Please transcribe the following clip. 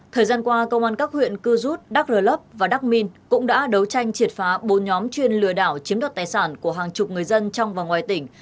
thời gian qua công an các huyện cư rút đắk rơ lấp và đắc minh cũng đã đấu tranh triệt phá bốn nhóm chuyên lừa đảo chiếm đoạt tài sản của hàng chục người dân trong và ngoài tỉnh